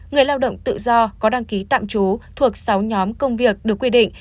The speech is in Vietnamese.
người lao động tự do có đăng ký tạm trú thuộc sáu nhóm công việc được quy định